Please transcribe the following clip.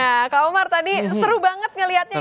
nah kak umar tadi seru banget ngelihatnya